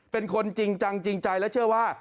เป็นคนจริงจังจริงใจและเชื่อว่า